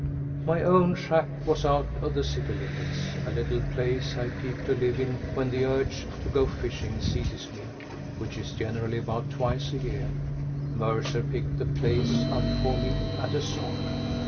My own shack was out of the city limits a little place I keep to live in when the urge to go fishing seizes me, which is generally about twice a year. Mercer picked the place up for me at a song.